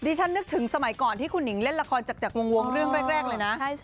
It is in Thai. ฉันนึกถึงสมัยก่อนที่คุณหิงเล่นละครจากวงเรื่องแรกเลยนะ